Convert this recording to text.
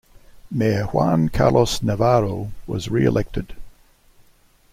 Mayor Juan Carlos Navarro was re-elected.